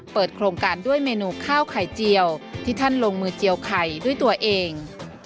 โครงการด้วยเมนูข้าวไข่เจียวที่ท่านลงมือเจียวไข่ด้วยตัวเอง